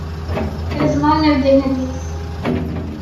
It is among their dignities.